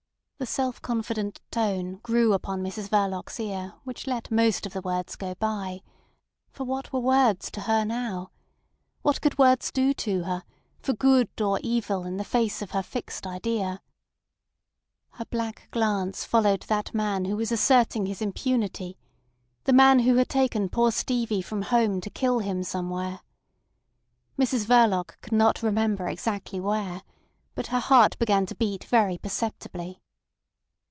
The self confident tone grew upon Mrs Verloc's ear which let most of the words go by; for what were words to her now? What could words do to her, for good or evil in the face of her fixed idea? Her black glance followed that man who was asserting his impunity—the man who had taken poor Stevie from home to kill him somewhere. Mrs Verloc could not remember exactly where, but her heart began to beat very perceptibly.